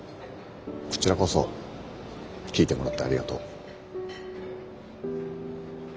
こちらこそ聞いてもらってありがとう。